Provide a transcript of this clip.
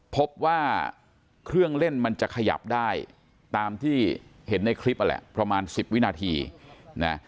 พบว่าเครื่องเล่นมันจะขยับได้ตามที่เห็นในคลิปนั่นแหละประมาณ๑๐วินาทีนะ